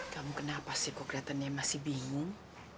kamu kenapa sih kok kelihatannya masih bingung